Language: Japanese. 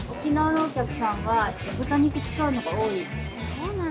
そうなんだ。